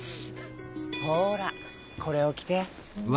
ほらこれをきて。